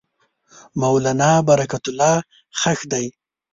مولنا برکت الله ښخ دی.